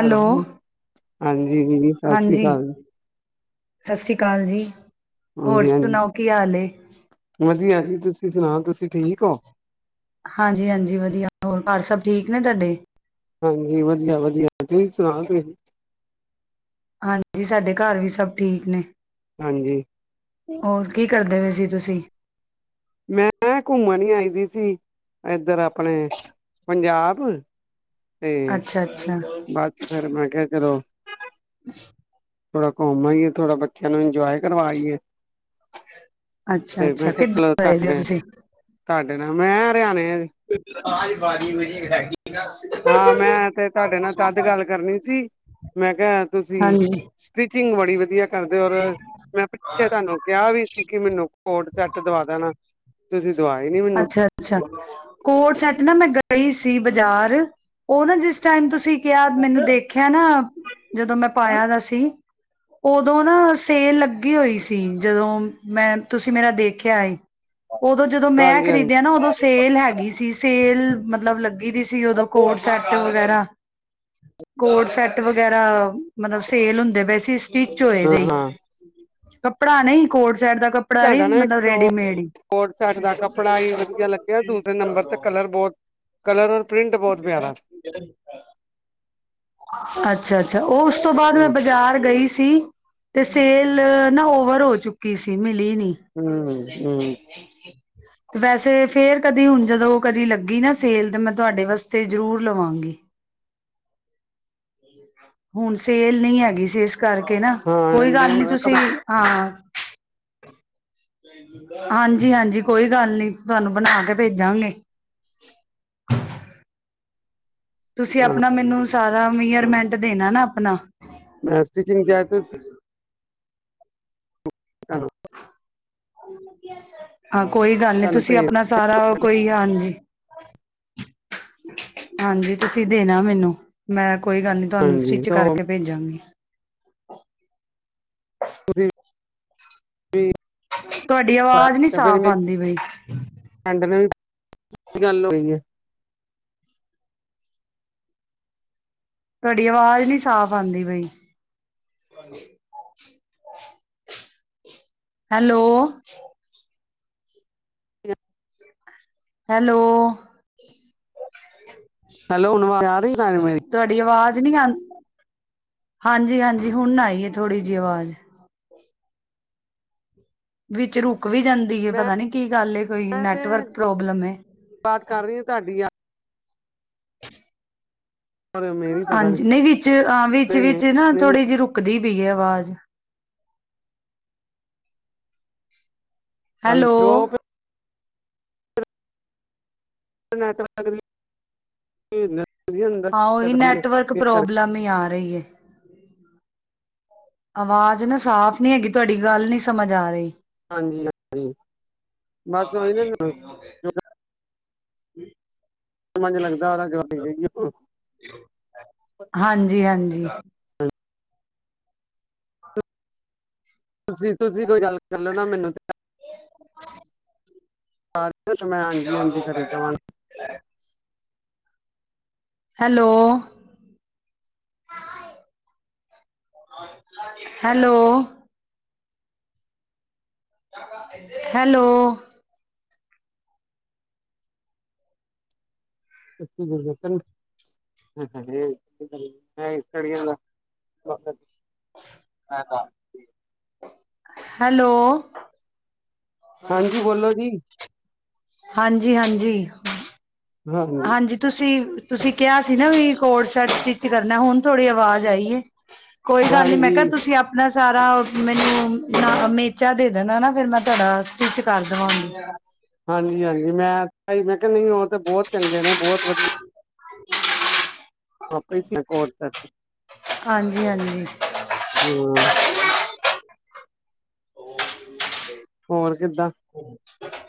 Hello ਹਾਂਜੀ ਸਤਿ ਸ੍ਰੀ ਹਾਂਜੀ ਅਕਾਲ ਸਤਿ ਸ੍ਰੀ ਅਕਾਲ ਜੀ ਹੋਰ ਹਾਂਜੀ ਹਾਂਜੀ ਸੁਣਾਓ ਕੀ ਹਾਲ ਏ ਮਤਆ ਜ ਤੁਸੀਂ ਸੁਣਾ ਤੁਸੀਂ। ਠੀਕੋ। ਹਾਂਜੀ ਹਾਂਜੀ ਵਧੀਆ ਹੋਰ ਘਰ ਸਭ ਠੀਕ ਨੇ ਤੁਹਾਡੇ। ਹਾਂਜੀ ਵਧੀਆ ਵਧੀਆ ਤੁਸੀਂ ਸੁਣਾ ਤੁਂ। ਹਾਂਜੀ ਸਾਡੇ ਘਰ ਵੀ ਸਭ ਠੀਕ ਨੇ। ਹਾਂਜੀ। ਹੋਰ ਕੀ ਕਰਦੇ ਹੋਏ ਸੀ ਤੁਸੀਂ? ਮੈਂ ਘੁੰਮਣ ਨ ਆਈ ਦੀ। ਸੀ ਇਏਧਰ ਆਪਣੇ ਪੰਜਾਬ। ਤੇ ਅੱਛਾ ਅੱਛਾ ਬਸ ਚ ਫਿਰ ਮੈਂ ਕਿਹਾ ਚਲੋ। ਥੋੜਾ ਘੁੰਮਾਂਏ ਥੋੜਾ ਬੱਚਿਆਂ ਨੂੰ ਇੰਨਜੋਏ। ਕਰਵਾਈਏ। ਅੱਛਾ ਤੇ ਮੈਂ ਅੱਛਾ ਕਿਹਾ ਚਲੋ ਕਿੱਦਾਂ ਦੇ? ਤੁਹਾਡੇ ਤੁਸੀ। ਤੁਹਾਡੇ ਮੈਂ ਹਰਿਆਣੇ ਤੋਂ ਹਾਂ ਮੈਂ ਤੇ ਤੁਹਾਡੇ ਨਾਲ ਤਦ ਗੱਲ ਕਰਨੀ ਸੀ ਮੈਂ ਕਿਹਾ ਤੁਸੀਂ ਹਾਂਜੀ ਸਟਿਚ। ਸਿੰਘ ਬੜੀ ਵਧੀਆ। ਕਰਦੇ ਔਰ ਮੈਂ ਪਿੱਛੇ ਤੁਹਾਨੂੰ ਕਿਹਾ ਵੀ ਸੀ ਕਿ ਮੈਨੂੰ। ਕੋਟ ਚੱਟ ਦਵਾ ਦੇਣਾ। ਤੁਸੀਂ ਦਵਾਏ ਨੀ ਮੈਨੂੰ ਅੱਛਾ ਅੱਛਾ ਕੋਟ ਸੈੱਟ ਨਾ ਮੈਂ। ਪਈ ਸੀ ਬਾਜ਼ਾਰ ਉਹ ਨਾ ਜਿਸ ਟਾਈਮ ਤੁਸੀਂ। ਕਿਹਾ ਮੈਨੂੰ ਹਾਂਜੀ ਦੇਖਿਆ ਨਾ ਜਦੋਂ ਮੈਂ ਪਾਇਆ ਤਾਂ ਸੀ। ਉਦੋਂ ਨਾ ਸੇਲ ਲੱਗੀ ਹੋਈ ਸੀ ਜਦੋਂ ਮੈਂ ਤੁਸੀਂ। ਮੇਰਾ ਦੇਖਿਆ ਸੀ। ਉਦੋਂ ਜਦੋਂ ਮੈਂ ਹਾਂਜੀ ਖਰੀਦਿਆ ਨਾ ਉਦੋਂ ਸੇਲ ਹੈਗੀ ਸੀ ਸੇਲ। ਮਤਲਬ ਲੱਗ। ਦੀ ਸੀ ਉਦੋਂ ਕੋਡ ਹਾਂ ਸੈੱਟ ਵਗੈਰਾ। ਕੋਡ ਸੈਟ ਵਗੈਰਾ ਮਤਲਬ ਸੇਲ ਹੁੰਦੇ ਬੈਸ। ਅ ਸਟਿਚ ਹੋਏ ਦਾ ਹੀ। ਹਾਂ ਕੱਪੜਾ ਨਹੀਂ ਕੋਟ ਸਾਈਡ ਦਾ। ਕੱਪੜਾ ਨਹੀਂ ਤੁਡਾ ਨਾ ਇੱਕ ਮਤਲਬ ਕੋ ਰੇਡੀਮੇਡ ਹੀ ਕੋਟਸੇਟ ਦਾ ਕੱਪੜਾ ਹੀ ਵਧੀਆ ਲੱਗਿਆ ਦੂਸਰੇ ਨੰਬਰ ਤੇ ਕਲਰ ਬੋਰਡ। ਕਲਰ। ਪ੍ਰਿੰਟ ਬਹੁਤ ਪਿਆਰਾ ਅੱਛਾ ਅੱਛਾ ਉਹ ਉਸ ਤੋਂ ਬਾਅਦ ਮੈਂ ਹੂੰ ਬਾਜ਼ਾਰ ਗਈ ਸੀ ਤੇ ਸੇਲ। ਨਾ ਓਵਰ ਹੋ ਚੁੱਕੀ ਸੀ ਮਿਲ। ਹਮ ਹਮ। ਤੇ ਵੈਸੇ ਫਿਰ ਕਦੀ ਹੁਣ ਜਦੋਂ ਕਦੀ ਲੱਗੀ ਨਾ ਸੇਲ ਤੇ ਮਤਲ। ਤੁਹਾਡੇ ਵਾਸਤੇ ਜ਼ਰੂਰ ਲਵਾਂਗੀ ਹੁਣ ਸੇਲ ਨਹੀਂ ਹੈਗੀ ਸਿ। ਕਰਕੇ ਨਾ ਹਾਂ ਕੋਈ ਲੈਂਦੇ ਗੱਲ ਨੀ ਤੁਸੀਂ ਹਾਂ। ਹਾਂਜੀ ਹਾਂਜੀ ਕੋਈ ਗੱਲ ਨੀ ਤੁਹਾਨੂੰ ਬਣਾ ਕੇ ਭੇਜਾਂਗੇ। ਤੁਸੀਂ ਆਪਣਾ ਮੈਨੂੰ ਸਾਰਾ ਮੀਅਰਮੈਂਟ ਦੇਣਾ ਨਾ। ਹਨ। ਮੈਂ ਸਟਿਚਿੰਗ ਕ। ਚਹੋ। [unintelligible] ਹਾਂ ਕੋਈ ਗੱਲ ਨਹੀਂ ਤੁਹਾਨੂੰ ਤੁਸੀਂ ਭੇਜ ਆਪਣਾ ਸਾਰਾ ਕੋਈ ਹਾਂਜੀ। ਹਾਂਜੀ ਤੁਸੀਂ ਦੇਣਾ ਮੈਨੂੰ ਮੈਂ। ਕੋਈ ਗੱਲ ਨੀ ਤੁਹਾਨੂੰ ਹਾਂਜੀ ਸਟਿੱਚ ਤੋਂ ਕਰਕੇ ਭੇਜਾਂਗੇ। [inaudible] ਤੁਸੀਂ। ਫਿਰ [inaudible] ਤੁਹਾਡੀ ਆਵਾਜ਼ ਨੀ ਮੇਰੀ ਸਾਫ਼ ਆਉਂਦੀ ਬਈ। ਫਰੈਂਡ ਨੇ ਵੀ ਗੱਲ ਹੋਈ ਆ। ਤੁਹਾਡੀ ਅਵਾਜ਼ ਨੀ ਸਾਫ਼ ਆਉਂਦੀ ਬਈ। ਹੈਲੋ। ਹੈਲੋ। ਹੈਲੋ ਹੁਣ ਆਵਾਜ਼ ਆ ਰਹੀ? ਤੁਹਾਨੂੰ ਮੇਰੀ ਤੁਹਾਡੀ ਆਵਾਜ਼। ਆਂ ਹਾਂਜੀ ਹਾਂਜੀ ਹੁਣ ਆਈ ਥੋੜੀ ਜਿਹੀ ਆਵਾਜ਼। ਵਿੱਚ ਰੁਕ। ਰੁੱਕ ਵੀ ਜਾਂਦੀ ਮੈਂ ਪਤਾ ਨੀ ਕੀ ਗੱਲ ਕੋਈ ਮੈਂ ਤੇ ਨੈਟਵਰਕ ਪ੍ਰੋਬਲਮ। ਬਾਤ ਕਰ ਰਹੀ ਹਾਂ ਤੁਹਾਡੀ ਔਰ ਮੇਰੀ ਪਤਾ ਨੀ ਹਾਂਜੀ ਨਹੀਂ ਵਿੱਚ ਹਾਂ ਵਿੱਚ ਨਹੀਂ ਨਹੀਂ ਵਿੱਚ ਨਾ ਨਹੀਂ ਨਹੀਂ ਥੋੜੀ ਜਿਹੀ ਰੁਕ । ਰੁੱਕਦੀ ਪਈ ਹੈ ਆਵਾਜ਼। ਪੰਜ ਹੈਲੋ ਜੋੋਕ। [unintelligible] ਅੰਦਰ ਹਾਂ ਉਹੀ ਨੈਟਵਰਕ ਇਸ ਕਰਕੇ ਪ੍ਰੋਬਲਮ ਹੀ ਆ ਰਹੀ ਹੈ। ਆਵਾਜ਼ ਨਾ ਸਾਫ਼ ਨੀ ਹੈਗੀ ਤੁਹਾਡੀ ਗੱਲ ਨੀ ਸਮਝ ਆ ਰਹੀ। ਹਾਂਜੀ ਹਾਂਜੀ ਬਸ ਉਹੀ ਨਾ। ਹਮ। ਝ ਲੱਗਦਾ ਜਇ। ਹਾਂਜੀ ਹਾਂਜੀ ਤੁਸੀਂ ਤੁਸੀਂ ਕੋਈ ਗੱਲ ਕਰਲੋ ਨਾ ਮੈਨੂੰ। ਹਾਂ। ਮੈਂ ਹਾਂਜੀ ਹਾਂਜੀ ਖਰੀਦਵਾਂਗਾ। ਹੈਲੋ। ਹੈਲੋ। ਹੈਲੋ। [unintelligible] ਹੈਲੋ। ਹਾਂਜੀ ਬੋਲੋ ਜੀ। ਹਾਂਜੀ ਹਾਂਜੀ। ਹਾਂਜੀ ਤੁਸੀਂ ਤੁਸੀਂ ਕਿਹਾ ਸੀ ਨਾ ਵੀ ਕੋਡ ਸੈਟ ਸਟਿੱਚ ਕਰਨਾ ਹੁਣ ਥੋੀ ਆਵਾਜ਼ ਆਈ ਕੋਈ ਗੱਲ ਨੀ ਮੈਂ ਕਿਹਾ ਹਾਂਜੀ ਤੁਸੀਂ ਆਪਣਾ। ਸਾਰਾ ਮੈਨੂੰ ਨਾ ਇਹ ਮੇਚਾ ਦੇ ਦਿੰਨਾਂ ਨਾ ਫਿਰ ਮੈਂ ਤੁਹਾਡਾ ਸਟਿਚ ਕਰ ਦੇਵਾਂਗੀ [inaudible] ਹਾਂਜੀ-ਹਾਂਜੀ ਮੈਂ [unintelligible] ਤੇ ਬਹੁਤ ਚੰਗੇ ਨੇ ਬਹੁਤ ਵਧੀਆ। [inaudible] [unintelligible] ਹਾਂਜੀ ਹਾਂਜੀ ਹਮ [inaudible] ਹੋਰ ਕਿੱਦਾਂ?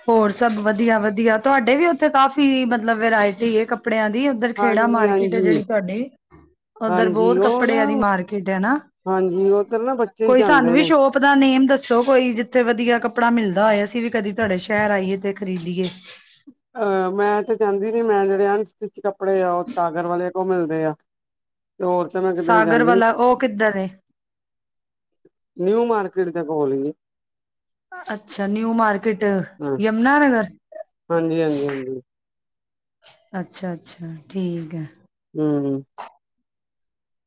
ਹੋਰ ਸਭ ਵਧੀਆ-ਵਧੀਆ, ਤੁਹਾਡੇ ਵੀ ਉੱਥੇ ਕਾਫੀ ਮਤਲਬ ਵੈਰਾਇਟੀ ਏ ਕੱਪ ਪੜਿਆਂ ਦੀ ਉਧਰ ਖੇੜਾ ਹਾਂਜੀ ਮਾਰਕੀਟ ਹੈ ਹਾਂਜੀ ਜਿਹੜੀ ਤੁਹਾਡੀ, ਓਧਰ ਹਾਂਜੀ ਬਹੁਤ ਉਹ ਨਾ ਕੱਪੜਿਆ ਦੀ ਮਾਰਕੀਟ ਏ ਨਾ, ਹਾਂਜੀ ਉਧਰ ਨਾ ਬੱਚੇ ਹੀ ਕੋਈ ਸਾਨੂੰ ਜਾਂਦੇ ਵੀ ਨੇ ਸ਼ੋਪ ਦਾ ਨੇਮ ਦੱਸ ਸੋ ਕੋਈ ਜਿੱਥੇ ਵਧੀਆ ਕੱਪੜਾ ਮਿਲਦਾ ਹੋਏ। ਸੀ ਵੀ ਕਦੀ ਤੁਹਾਡੇ ਸ਼ਹਿਰ ਆਈਏ ਤੇ ਖਰੀਦੀਏ। ਆਹ ਮੈਂ ਤੇ ਕਹਿੰਦੀ ਵਈ ਮੈਂ ਜਿਹੜੇ [unintelligible] ਕੱਪੜੇ ਆ, ਉਹ ਸਾਗਰ ਵਾਲੇ ਕੋਲ ਮਿਲਦੇ ਆ। [inaudible] ਮੈਂ ਕਿਧਰੇ ਸਾਗਰ ਜਾਂਦੀ ਨੀ ਵਾਲਾ ਉਹ ਕਿੱਧਰ ਐ। ਨਿਊ ਮਾਰਕੀਟ ਦੇ ਕੋਲ ਈ ਏ। ਅੱਛਾ ਨਿਊ ਮਾਰ ਕਿਟ ਹਾਂ ਯਮੁਨਾ ਨਗਰ ਹਾਂਜੀ ਹਾਂਜੀ ਹਾਂਜੀ ਅੱਛਾ-ਅੱਛਾ, ਠੀਕ ਏ। ਹੂੰ, ਹੂੰ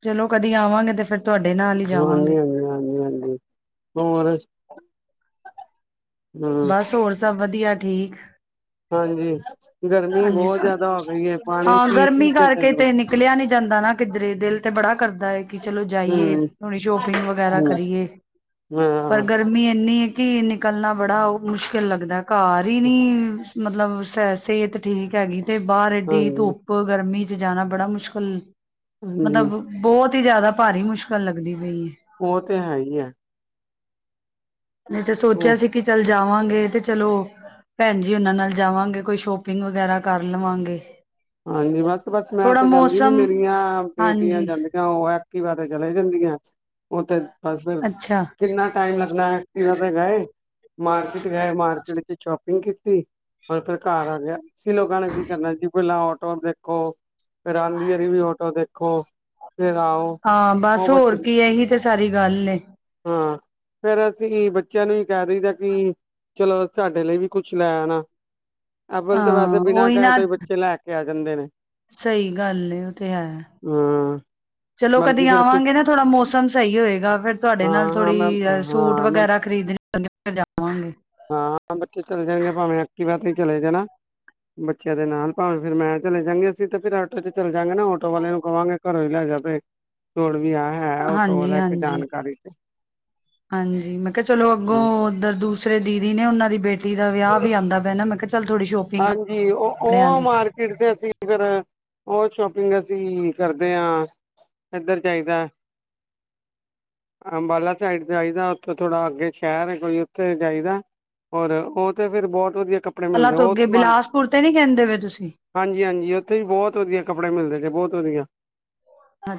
ਚਲੋ ਕਦੀ ਆਵਾਂਗੇ, ਤੇ ਫਿਰ ਤੁਹਾਡੇ ਨਾਲ ਹੀ ਜਾਵਾਂਗੇ ਹਾਂਜੀ-ਹਾਂਜੀ-ਹਾਂਜੀ-ਹਾਂਜੀ ਹੋਰ ਹਮ ਬਸ ਹੋਰ ਸਭ ਵਧੀ ਧੀਆ ਠੀਕ ਹਾਂਜੀ ਗਰਮੀ ਹਾਂਜੀ ਬਹੁਤ ਅ, ਜਿਆਦਾ ਹੋ ਗਈ ਹੈ ਪਾਣੀ ਹਾਂ ਪੀ ਪੀ ਗਰਮੀ ਕੇ ਤੇ ਕਰਕੇ ਤੇੇ ਨਿਕਲਿਆ ਨੀ ਜਾਂਦਾ ਨਾ ਕਿੱਧਰੇ, ਦਿਲ ਤੇ ਬੜਾ ਕਰਦਾ ਏ। ਕਿ ਚਲੋ ਜਾਈਏ ਹਮ ਥੋੜੀ ਸ਼ੋਪਿੰਗ ਵਗੈਰਾ ਹਮ ਕਰੀਏ, ਪਰ ਹਾਂ ਗਰਮੀ ਇੰਨੀ ਐ ਕੀ ਨਿਕਲਣਾ ਬੜਾ ਉਹ ਮੁਸ਼ਕਿਲ ਲੱਗਦਾ। ਘਰ ਈ ਨੀ ਮਤਲਬ ਸੈਸ ਸਿਹਤ ਠੀਕ ਹੈਗੀ। ਤੇ ਬਾਹਰ ਏਡੀ ਹਾਂਜੀ ਧੁੱਪ, ਗਰਮੀ ਚ ਜਾਣਾ ਬੜਾ ਮੁਸ਼ਕਲ ਹਾਂਜੀ ਮਤਲਬ ਬਹੁਤ ਬਹੁਤੀ ਜ਼ਿਆਦਾ ਭਾਰੀ ਮੁਸ਼ਕਿਲ ਲੱਗਦੀ। ਪਈ ਹੈ ਉਹ ਤੇ ਹੈ ਈ ਐ। ਨਹੀਂ ਤਾਂ ਸੋਚਿਆ ਸੀ ਕਿ ਚੱਲ ਜਾਵਾਂਗੇ ਤੇ ਚਲੋ ਭੈਣ ਜੀ ਉਹਨਾਂ ਨਾਲ ਜਾਵਾਂਗੇ, ਕੋਈ ਸ਼ੋਪਿੰਗ ਵਗੈਰਾ ਕਰ ਲਵਾਂਗੇ। ਹਾਂਜੀ ਬਸ-ਬਸ ਮੈਂ ਥੋੜਾ ਤੇ ਜਾਂਦੀ ਨੀ ਮੌਸਮ ਮੇਰੀਆਂ ਬੇਟੀਆਂ ਹਾਂਜੀ ਜਾਂਦੀਆਂ, ਉਹ ਐਕਟੀਵਾ ਤੇ ਚਲੇ ਜਾਂਦੀਆਂ। ਉਹ ਤੇ ਬਸ ਫਿਰ ਅੱਛਾ ਕਿੰਨਾ ਟਾਈਮ ਲੱਗਣਾ ਐਕਟੀਵਾ ਤੇ ਗਏ, ਮਾਰਕਿਟ ਗਏ ਮਾਰਕਿਟ ਚ ਸ਼ੋਪਿੰਗ ਕੀ ਤੇ ਹੋਰ ਫਿਰ ਘਰ ਆ ਗਿਆ, ਅਸੀਂ ਲੋਕਾਂ ਨੇ ਕੀ ਕਰਨਾ ਜੀ ਪਹਿਲਾਂ ਆਟੋ ਦੇਖੋ ਫਿਰ ਆਂਦੀ ਵਾਰੀ ਵੀ ਆਟੋ ਦੇਖੋ, ਫ਼ੇਰ ਆਓ ਹਾਂ ਉਹ ਹੋਰ ਬਸ ਕੀ ਇਹੀ ਤੇ ਸਾਰੀ ਗੱਲ ਏ ਹਾਂ ਫੇਰ ਅਸੀਂ ਬ ਬੱਚਿਆਂ ਨੂੰ ਈ ਕਹਿ ਦਈ ਦਾ ਕਿ ਚਲੋ ਸਾਡੇ ਲਈ ਵੀ ਕੁਛ ਲੈ ਆਣਾ। ਅੱਵਲ ਤੇ ਵੈਸੇ ਹਾਂ ਬਿਨਾਂ ਉਹੀ ਕਹੇ ਨਾ ਤੋਂ ਹੀ ਬੱ ਸਹੀ ਗੱਲ ਏ ਉਹ ਤੇ ਹੈ, ਹਾਂ ਚਲੋ ਬਲਕਿ ਕਦੀ ਫਿਰ ਆਵਾਂਗੇ ਨਾ ਥੋੜਾ ਮੌਸਮ ਸਹੀ ਹੋਏਗਾ, ਫੇਰ ਤੁਹਾਡੇ ਹਾਂ ਨਾਲ ਹਾਂ ਥੋੜ੍ਹੀ ਮੈਂ ਅ ਸੂਟ ਹਾਂ ਮੈਂ ਵਗੈਰਾ ਖ਼ਰੀਦਣੇ ਵੀ ਜਾਵਾਂਗੇ। ਹਾਂ ਬੱਚੇ ਚਲੇ ਜਾਣਗੇ ਭਾਵੇਂ ਐਕਟੀਵਾ ਤੇ ਚਲੇ ਜਾਣਾ ਬੱਚਿਆਂ ਦੇ ਨਾਲ ਭਾਵੇਂ ਫਿਰ ਮੈਂ ਚਲੇ ਜਾਂਗੇ, ਅਸੀਂ ਤੇ ਫਿਰ ਆਟੋ ਚ ਚਲੇ ਜਾਂਗੇ ਨਾ ਆਟੋ ਵਾਲੇ ਨੂੰ ਕਵਾਂਗੇ ਘਰੋਂ ਹੀ ਲੈ ਜਾ ਬਈ, ਤੁਰਣ - ਵੀ ਹਾਂ ਹੈ ਓਟੋ ਹਾਂਜੀ ਵਾਲਾ ਇੱਕ ਹਾਂਜੀ ਜਾਣਕਾਰੀ 'ਚ । ਹਾਂਜੀ, ਮੈਂ ਕਿਹਾ ਚਲੋ ਅੱਗੋਂ ਉੱਧਰ ਦੂਸਰੇ ਦੀਦੀ ਨੇ ਉਹਨਾਂ ਦੀ ਬੇਟੀ ਦਾ ਵਿਆਹ ਵੀ ਆਉਂਦਾ ਪਿਆ ਨਾ, ਮੈਂ ਕਿਹਾ ਚੱਲ ਥੋੜੀ ਸ਼ੋਪਿੰਗ ਹਾਂਜੀ ਉਹ, ਕੱਪੜਿਆਂ ਉਹ ਦੀ ਮਾਰਕੀਟ ਤੇ ਅਸੀਂ ਫਿਰ ਉਹ ਸ਼ੋਪਿੰਗ ਅਸੀਂ ਕਰਦੇ ਹਾਂ ਇੱਧਰ ਜਾਈਦਾ ਅੰਬਾਲਾ ਸਾਈਡ ਜਾਈਦਾ, ਉੱਥੋਂ ਥੋੜਾ ਅੱਗੇ ਸ਼ਹਿਰ ਹੈ ਕੋਈ ਉੱਥੇ ਜਾਈਦਾ। ਔਰ ਉਹ ਤੇ ਫੇਰ ਬਹੁਤ ਵਧੀਆ ਕੱਪੜੇ ਪਹਿਲਾਂ ਮਿਲਦੇ ਆ ਤੋਂ ਓ ਅੱਗੇ ਬਿਲਾਸਪੁਰ ਤੇ ਨੀ ਕਹਿੰਦੇ ਪਏ ਤੁਸੀਂ? ਹਾਂਜੀ ਹਾਂਜੀ ਉੱਥੇ ਵੀ ਬਹੁਤ ਵਧੀਆ ਕੱਪੜੇ ਮਿਲਦੇ ਨੇ ਬਹੁਤ ਵਧੀਆ।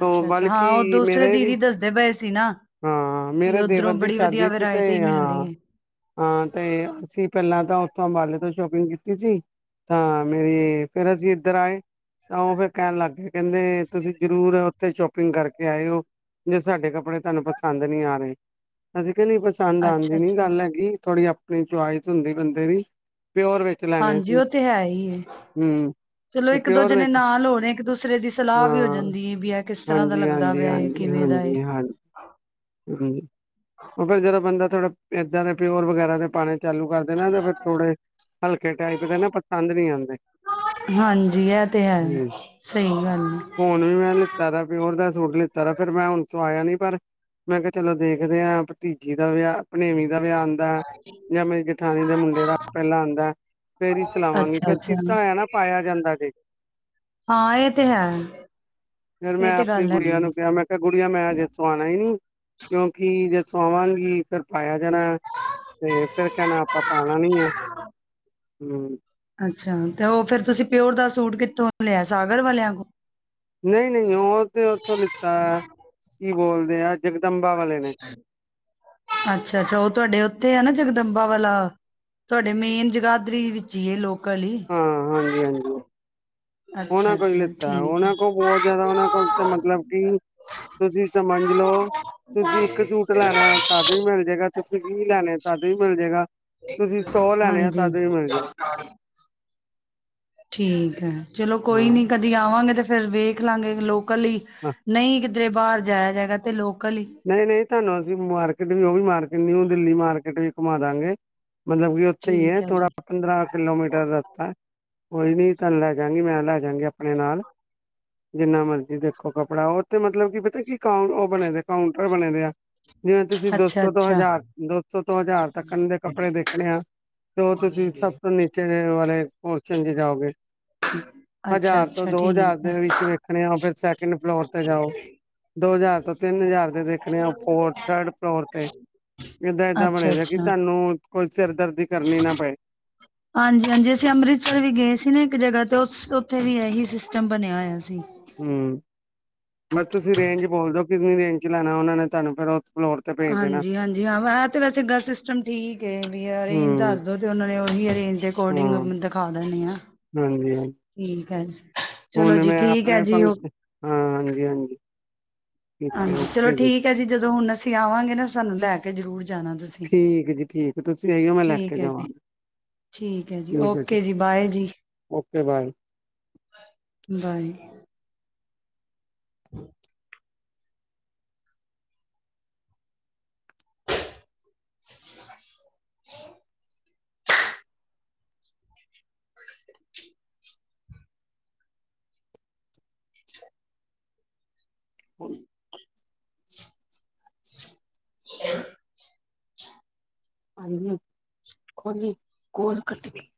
ਤੋ ਅੱਛਾ ਹਾਂ ਉਹ ਬਲਕਿ, ਦੂਸਰੇ ਮੇਰੇ ਵੀ, ਦੀਦੀ ਦੱਸਦੇ ਪਏ ਸੀ ਨਾ ਹਾਂ ਕਿ ਮੇਰੇ ਉੱਧਰੋਂ ਦੇਵਰ ਦੀ ਬੜੀ ਸ਼ਾਦੀ ਵਧੀਆ ਸੀ ਵਰਾਇਟੀ ਤੇ ਹਾਂ, ਮਿਲਦੀ ਹੈ ਹਾਂ ਤੇ ਅਸੀ ਪਹਿਲਾਂ ਤਾਂ ਉੱਥੋਂ ਅੰਬਾਲੇ ਤੋਂ ਸ਼ੋਪਿੰਗ ਕੀ ਤੀ ਤਾਂ ਮੇਰੀ, ਫੇਰ ਅਸੀਂ ਇੱਧਰ ਆਏ ਤਾਂ ਉਹ ਫੇਰ ਕਹਿਣ ਲੱਗ ਗਏ ਕਹਿੰਦੇ ਤੁਸੀਂ ਜਰੂਰ ਉੱਥੇ ਸ਼ੋਪਿੰਗ ਕਰਕੇ ਆਏ ਹੋ ਜੇ ਸਾਡੇ ਕੱਪੜੇ ਤੁਹਾਨੂੰ ਪਸੰਦ ਨਹੀਂ ਆ ਰਹੇ। ਅਸੀਂ ਕੇ ਨੀ ਪਸੰਦ ਆਂਦ ਅੱਛਾ ਦੀ ਨੀ ਅੱਛਾ ਗੱਲ ਹੈਗੀ, ਥੋੜ੍ਹੀ ਅਪ ਆਪਣੀ ਚੋਇਜ਼ ਹੁੰਦੀ ਬੰਦੇ ਦੀ, ਪਿਓਰ ਵੇ ਹਾਂਜੀ ਉਹ ਤੇ ਹੈ ਹੀ ਏ। ਹੂੰ ਚਲੋ ਤੇ ਇੱਕ ਦੋ ਪਿਓਰ ਜਣੇ ਵਿੱਚ ਨਾਲ ਹੋਣ, ਇੱਕ ਦੂਸਰੇ ਦੀ ਸਲਾਹ ਵੀ ਹੋ ਹਾਂ ਜਾਂਦੀ ਏ, ਬਈ ਇਹ ਕਿਸ ਤਰ੍ਹਾਂ ਦਾ ਹਾਂਜੀ ਲੱਗਦਾ ਹਾਂਜੀ ਪਿਆ ਏ, ਕਿਵੇਂ ਦਾ ਏ ਹਮ। ਔਫਰ ਜਰਾ [unintelligible] ਬੰਦਾ। ਥੋੜਾ ਏਦਾਂ ਦੇ ਪਿਓਰ ਵਗੈਰਾ ਦੇ ਪਾਣੇ। ਚਾਲੂ ਕਰਦੇ ਨਾ ਤੇ ਫਿਰ ਥੋੜੇ ਹਲਕੇ ਟਾਈਪ ਦੇ ਨਾ ਪਸੰਦ ਨੀ ਆਉਂਦੇ ਹਾਂਜੀ ਇਹ ਤੇ ਹੈ ਹਮ ਸਹੀ ਗੱਲ ਏ। ਹੁਣ ਵੀ ਮੈਂ ਲਿੱਤਾ ਦੇ ਪਿਓਰ ਦਾ ਸੂਟ ਲਿੱਤਾ ਫੇਿਰ ਮੈਂ ਹੁਣ ਤੋ ਆਇਆ ਨੀ ਪਰ। ਮੈਂ ਕਿਹਾ ਚਲੋ ਦੇਖਦੇ ਹਾਂ ਭਤੀਜੀ ਦਾ ਵਿਆਹ ਆਪਣੇਵੀ। ਦਾ ਵੀਆ ਆਉਂਦਾ ਜਾਂ ਮੇਰੀ ਜਠਾਣੀ ਦੇ ਮੁੰਡੇ ਦਾ ਪਹਿਲਾਂ ਆਉਂਦਾ ਫੇਰ ਹੀ ਸਿਲਾਵਾਂਗੀ ਅੱਛਾ ਫੇਰ ਅੱਛਾ ਸਤਾਾ ਆਇਆ ਨਾ ਪਾਇਆ ਜਾਂਦਾ ਜੇ ਹਾਂ ਇਹ ਤੇ ਹੈ ਫੇਰ ਇਹ ਮੈਂ ਤੇ ਆਪਣੀ ਗੱਲ ਹੈਗੀ ਗੁੜੀਆਂ ਨੂੰ ਏ। ਕਿਹਾ ਮੈਂ ਕਿਹਾ ਗੁੜੀਆਂ ਮੈਂ ਅਜੇ ਸਵਾਣਾ ਹੀ ਨੀ। ਕਿਉਂਕਿ ਜ ਸੋਵਾਨ ਵੀ ਫਿਰ ਪਾਇਆ। [inaudible] ਜਣਾ ਤੇ ਫੇਿਰ ਕਹਿਣਾ ਆਪਾਂ ਪਾਣਾ ਨੀ ਆ। ਹਮ। ਅੱਛਾ ਤੇ ਉਹ ਫਿਰ ਤੁਸੀਂ ਪਿਓਰ ਦਾ ਸੂਟ ਕਿੱਥੋਂ ਲਿਆ ਸਾਗਰ ਵਾਲਿਆਂ ਕੋ ਨਹੀਂ ਨਹੀਂ ਉਹ ਤੇ ਉਥੋਂ ਲਿੱਤਾ ਕੀ ਬੋਲ ਦਿਆ। ਅੱਛਾ ਅੱਛਾ ਉਹ ਤੁਹਾਡੇ ਉੱਥੇ ਹੈ ਨਾ ਜਗ ਦੰਬਾ ਵਾਲਾ ਤੁਹਾਡੇ ਮੇਨ ਜਗਾਦਰੀ ਵਿੱਚ ਹੀ ਇਹ ਲੋ ਹਾਂ ਹਾਂਜੀ ਹਾਂਜੀ। ਅੱਛਾ ਉਹਨਾਂ ਕੋਲ ਹੀ ਅੱਛਾ ਲਿੱਤਾ ਠੀਕ ਹੈ ਉਹਨਾਂ ਕੋ ਬਹੁਤ ਜ਼ਿਆਦਾ ਉਹਨਾਂ ਕੋਲ ਮਤਲਬ ਕਿ ਤੁਸੀਂ ਸਮਝ ਲਓ ਤੁਸੀਂ ਇੱਕ ਸੂਟ ਲੈਣਾ ਤੁਡ ਵੀ ਮਿਲ ਜੇਗਾ। ਸੀ ਕੀ ਲੈਣੇ ਤਦ ਵੀ ਮਿਲ ਜੇਗਾ। ਹਾਂਜੀ। ਜਾਏ ਠੀਕ ਹੈ। ਚਲੋ ਕੋਈ ਹਾਂ ਨੀ ਕਦੀ ਆਵਾਂਗੇ ਤੇ। ਫੇਰ, ਵੇਖ ਲਾਂਗੇ ਲੋਕ। ਕੱਲੀ ਨਹੀਂ ਕਿ- ਤੇ, ਬਾਹਰ ਜਾਇਆ ਜਾਏਗਾ, ਤੇ ਲੋਕ। ਨਹੀਂ- ਨਹੀਂ ਤੁਹਾਨੂੰ ਅਸੀਂ ਮਾਰਕੀਟ ਵੀ ਉਹ ਵੀ ਮਾਰਕੀਟ। ਨਿਊ ਦਿੱਲੀ ਮਾਰਕੀਟ ਵੀ ਘੁਮਾ ਦਾਂਗੇ। ਮਤਲਬ ਕਿ ਉੱਥੇ ਹੀ ਹੈ। ਠੀਕ ਥੋੜਾ ਜੀ ਪੰਦਰਾਂ ਕਿਲੋਮੀਟਰ ਰਤਾ ਹੇ। ਕੋਈ ਨੀ ਤੁਹਾਨੂੰ ਲੈ ਜਾਾਂਗੀ, ਮੈਂ ਲੈ ਜਾਂਗੀ ਆਪਣੇ ਨਾਲ। ਜਿੰਨਾ ਮਰਜ਼ੀ ਦੇਖੋ ਕੱਪੜਾ ਉਹ। ਤੇ ਮਤਲਬ ਕੀ ਪਤਾ ਕੀ, ਕ ਉਹ ਬਣੇ ਦੇ। ਕਾਊਂਟਰ ਬਣੇ ਵੇ ਆ। ਜਿਵੇਂ ਤੁਸੀਂ, ਦੋ ਅੱਛਾ ਸੌ ਤੋਂ ਅੱਛਾ ਹਜ਼ਾਰ- ਦੋ ਸੌ ਤੋਂ ਹਜ਼ਾਰ ਤੱਕਣ ਦੇ ਕੱਪੜੇ ਦੇਖਣੇ ਆ। ਤੇ ਉਹ ਤੁਸੀਂ ਸਭ ਤੋਂ ਨੀਚੇ ਵਾਲੇ। ਹੋਰ ਚੰਗੇ ਜਾਓਗੇ। ਅੱਛਾ ਹਜ਼ਾਰ ਤੋਂ ਅੱਛਾ ਦੋ ਹਜ਼ਾਰ ਠੀਕ ਦੇ ਹੈ ਵਿੱਚ ਵੇਖਣੇ ਆ, ਫੇਰ ਸੈਕਿੰਡ ਫਲੋਰ ਤੇ ਜਾਓ, ਦੋ ਹਜ਼ਾਰ ਤੋਂ- ਹਜ਼ਾਰ ਤੇ ਦੇਖਣੇ ਆ ਫੋਰਥ ਥਰਡ ਫਲੋਰ ਤੇ ਏਦਾਂ-ਏਦਾਂ ਅੱਛਾ ਬਣੇ ਦੇ ਕਿ ਅੱਛਾ ਤੁਹਾਨੂੰ ਕੋਈ ਸਿਰਦਰਦੀ ਕਰਨੀ ਨਾ ਪਏ ਹਾਂਜੀ, ਹਾਂਜੀ ਅਸੀਂ ਅੰਮ੍ਰਿਤਸਰ ਵੀ ਗਏ ਸੀ ਨਾ ਇੱਕ ਜਗ੍ਹਾ ਤੇਂ। ਉਸ ਉਥੇ ਵੀ ਇਹੀ ਸਿਸਟਮ ਬਣਿਆਂ ਹੋਇਆਂ ਸੀ। ਹਮ। ਮਤ ਤੁਸੀਂ ਰੇਂਜ ਬੋਲਦੇ ਹੋ। ਕਿੰਨੀਂ ਰੇਜ ਚ ਲੈਣਾਂ ਉਹਨਾਂ ਨੇਂ ਤੁਹਾਂਨੂੰ ਪਹਿਲੋਂ। ਹਾਂਜੀ ਹਾਂਜੀ ਹਾਂ ਐ ਤੇ ਵੈਸੇ ਹੈਗਾ ਸਿਸਟਮ ਠੀਕ ਐ। ਬਈ ਅਰੇਂਜ ਦਸ ਹੂੰ ਦੋ ਤੇ ਓਨਾਂ ਨੇਂ ਓਹੀ ਅਰੇਂਜ ਦੇ ਹਾਂ ਅਕੋਰਡਿੰਗ ਦਿਖਾ ਦੇਣੇ ਆ। ਹਾਂਜੀ ਹਾਂਜੀ ਠੀਕ ਹਾਂਜੀ। ਹੁਣ ਮੈਂ ਆਪਣੇਂ ਪੰਕ ਹਾਂ ।ਹਾਂਜੀ, ਹਾਂਜੀ। ਠੀਕ ਹੈ ਹਾਂਜੀ ਚਲੋਂ ਓਕੇ ਠੀਕ ਹੈਂ ਜੀ। ਜਦੋਂ ਹੁਣ ਅਸੀਂ ਆਂਵਾਂਗੇ ਨਾ ਸਾਂਨੂੰ ਲੈ ਕੇ। ਜਾਉਗੇ। ਠੀਕ ਜੀ ਠੀਕ। ਤੁਸੀਂ ਆਇਓਂ ਮੈਂ ਲੈ ਕੇ ਠੀਕ ਹੈ ਜੀ ਜਾਵਾਂਗਾ ਹੈ ।ਠੀਕ ਜੀ। ਓਕੇ ਬਾਏ ਜੀ ਓਕੇ ਬਾਏ। ਬਾਏ। [inaudible] [inaudible] [inaudible] [inaudible] ਖੋਲੀ ਗੋਲ ਕੱਟਣੀ।